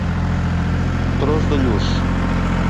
Tros de lluç.